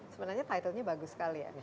sebenarnya titelnya bagus sekali ya